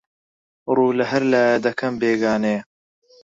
ڕوو لەهەر لایێ دەکەم بێگانەیە